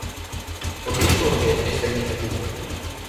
Por que xorde esta iniciativa?